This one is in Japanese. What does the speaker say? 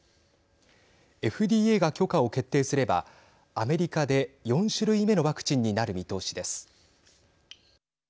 ＦＤＡが許可を決定すればアメリカで４種類目のワクチンになる見通しです。